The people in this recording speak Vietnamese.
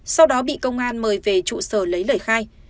sau đó bị công an mời về trụ sở lấy lời khai